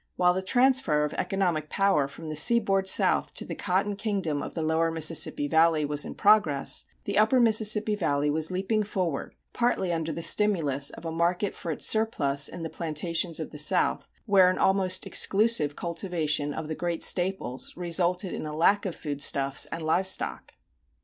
While the transfer of economic power from the Seaboard South to the Cotton Kingdom of the lower Mississippi Valley was in progress, the upper Mississippi Valley was leaping forward, partly under the stimulus of a market for its surplus in the plantations of the South, where almost exclusive cultivation of the great staples resulted in a lack of foodstuffs and livestock.